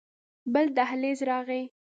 بل دهليز راغى.